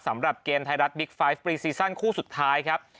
สำหรับเกมไทยรัฐบิ๊กไฟท์ปรีซีซั่นคู่สุดท้ายครับ